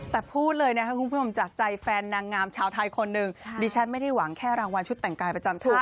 แต่พูดเลยนะครับคุณผู้ชมจากใจแฟนนางงามชาวไทยคนหนึ่งดิฉันไม่ได้หวังแค่รางวัลชุดแต่งกายประจำตัว